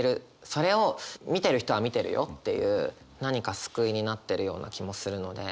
それを見てる人は見てるよっていう何か救いになってるような気もするので。